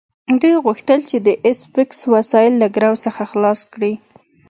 دوی غوښتل چې د ایس میکس وسایل له ګرو څخه خلاص کړي